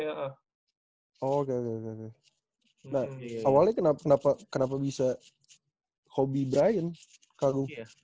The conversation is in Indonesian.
oke oke oke nah awalnya kenapa bisa kobe bryant kagung